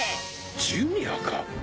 ジュニアか？